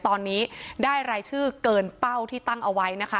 ตอนนี้ได้รายชื่อเกินเป้าที่ตั้งเอาไว้นะคะ